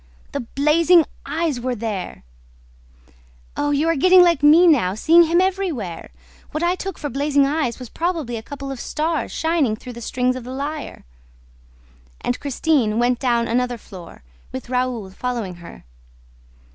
"The blazing eyes were there!" "Oh, you are getting like me now, seeing him everywhere! What I took for blazing eyes was probably a couple of stars shining through the strings of the lyre." And Christine went down another floor, with Raoul following her.